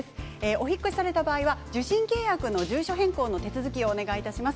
お引っ越しされた場合は受信契約の住所変更の手続きをよろしくお願いいたします。